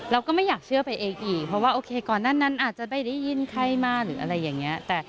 เราก็ไม่อยากเชื่อไปเองอีกเพราะว่าโอเคก่อนหน้านั้นอาจจะไม่ได้ยินใครมาหรืออะไรอย่างนี้